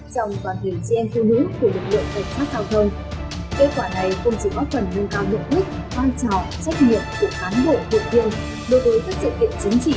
trong toàn thể chị em thương nữ